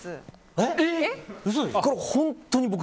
これ本当に僕。